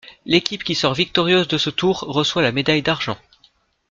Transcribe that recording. L'équipe qui sort victorieuse de ce tour reçoit la médaille d'argent.